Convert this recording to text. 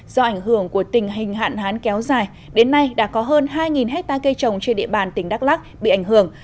do ảnh hưởng của tình hình hạn hán kéo dài đến nay đã có hơn hai hectare cây trồng trên địa bàn tỉnh đắk lắc bị ảnh hưởng